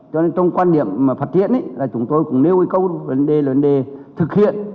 cho nên trong quan điểm mà phát hiện ấy là chúng tôi cũng nêu cái câu vấn đề là vấn đề thực hiện